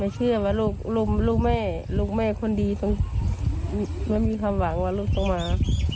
ไม่เชื่อว่าลูกแม่คนดีไม่มีความหวังว่าลูกต้องมา